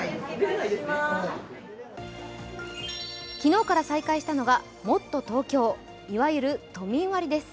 昨日から再開したのがもっとＴｏｋｙｏ、いわゆる都民割です。